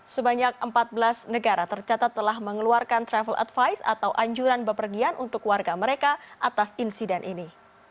sebanyak empat belas negara tercatat telah mengeluarkan travel advice atau anjuran bepergian untuk warga mereka atas insiden ini